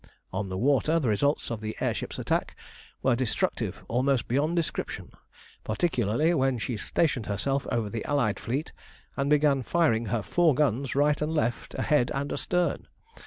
On the water the results of the air ship's attack were destructive almost beyond description, particularly when she stationed herself over the Allied fleet and began firing her four guns right and left, ahead and astern.